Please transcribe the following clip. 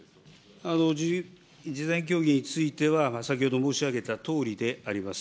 事前協議については、先ほど申し上げたとおりであります。